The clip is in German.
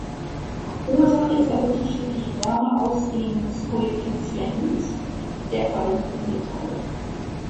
Ursache ist der unterschiedliche Wärmeausdehnungskoeffizient der verwendeten Metalle.